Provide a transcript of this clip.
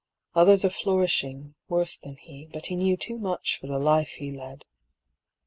Others are flourishing, worse than he, But he knew too much for the life he led.